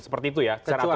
seperti itu ya secara aturan